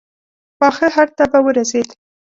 پاخه هډ ته به ورسېد.